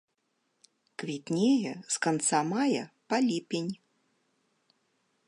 Квітнее з канца мая па ліпень.